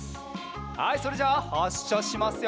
はいそれじゃあはっしゃしますよ！